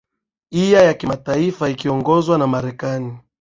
iya ya kimataifa ikiongozwa na marekani